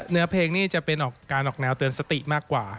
เนื้อเพลงนี่จะเป็นการออกแนวเตือนสติมากกว่า